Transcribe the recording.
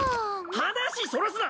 話そらすな！